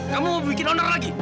kamu mau bikin honor lagi